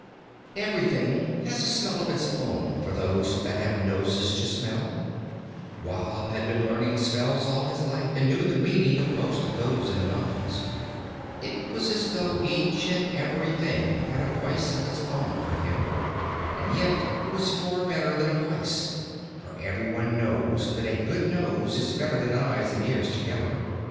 V Everything has a smell of its own for those that have noses to smell. Wahb had been learning smells all his life, and knew the meaning of most of those in the mountains. It was as though each and every thing had a voice of its own for him; and yet it was far better than a voice, for every one knows that a good nose is better than eyes and ears together.